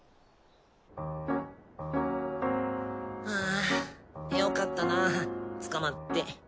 あぁよかったな捕まって。